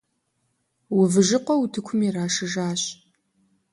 Увыжыкъуэ утыкум ирашыжащ.